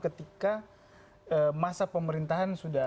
ketika masa pemerintahan sudah